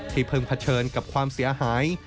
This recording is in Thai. เพิ่งเผชิญกับความเสียหาย